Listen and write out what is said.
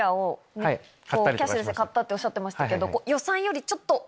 キャッシュレスで買ったっておっしゃってましたけど。